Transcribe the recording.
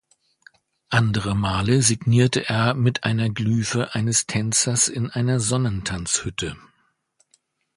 Andere Male signierte er mit einer Glyphe eines Tänzers in einer Sonnentanz-Hütte.